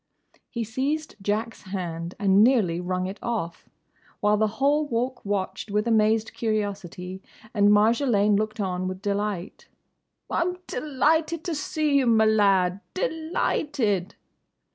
He seized Jack's hand and nearly wrung it off, while the whole Walk watched with amazed curiosity, and Marjolaine looked on with delight. "I'm delighted to see you, my lad!—De lighted!"